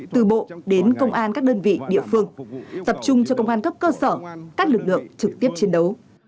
từ bộ đến công an các đơn vị địa phương tập trung cho công an cấp cơ sở các lực lượng trực tiếp chiến đấu